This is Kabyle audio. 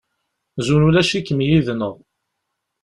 Zun ulac-ikem yid-neɣ.